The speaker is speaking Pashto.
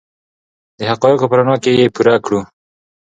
د حقایقو په رڼا کې یې پوره کړو.